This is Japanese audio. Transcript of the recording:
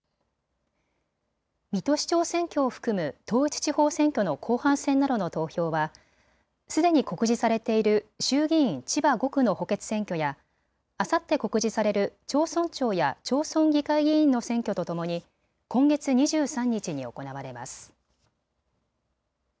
水戸市長選挙を含む統一地方選挙の後半戦などの投票はすでに告示されている衆議院千葉５区の補欠選挙やあさって告示される町村長や町村議会議員の選挙とともに今月２３日に行われます。